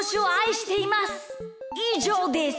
いじょうです。